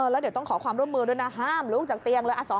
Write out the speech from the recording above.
แล้วเดี๋ยวต้องขอความร่วมมือด้วยนะห้ามลุกจากเตียงเลย